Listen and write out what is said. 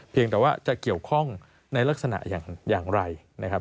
แต่ว่าจะเกี่ยวข้องในลักษณะอย่างไรนะครับ